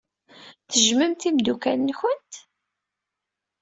Tejjmemt imeddukal-nwent?